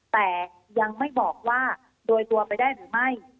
แต่ยังไม่บอกว่าโดยตัวไปได้หรือไม่